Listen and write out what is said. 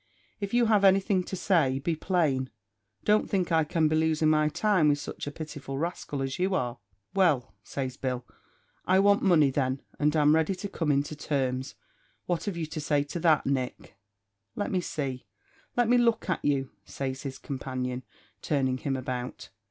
If you have anything to say, be plain. Don't think I can be losing my time with such a pitiful rascal as you are." "Well," says Bill, "I want money, then, and am ready to come into terms. What have you to say to that, Nick?" "Let me see let me look at you," says his companion, turning him about.